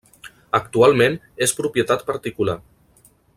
Actualment és propietat particular.